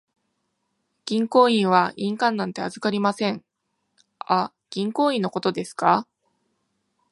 銀行員は印鑑なんて預かりません。あ、銀行印のことですか。